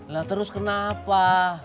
lah terus kenapa